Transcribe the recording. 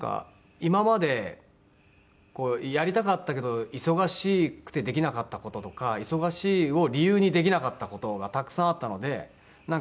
今までやりたかったけど忙しくてできなかった事とか忙しいを理由にできなかった事がたくさんあったのでなんか